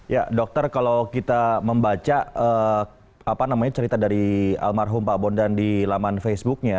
ya dokter kalau kita membaca cerita dari almarhum pak bondan di laman facebooknya